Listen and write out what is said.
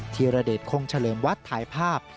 ธีรเดชคงเฉลิมวัดถ่ายภาพ